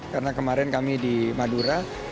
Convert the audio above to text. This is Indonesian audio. karena kemarin kami di madura